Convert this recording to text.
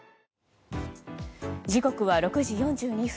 時刻は６時４２分。